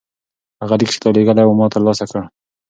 هغه لیک چې تا لیږلی و ما ترلاسه کړ.